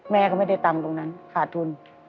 แม่ก็ไม่ได้ตังค์ตรงนั้นขาดทุน